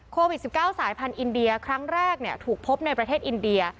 โควิด๑๙สายพันธุ์อินเดียครั้งแรกถูกพบในประเทศอินเดีย